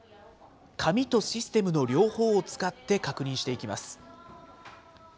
紙とシステムの両方を使って確認していきます。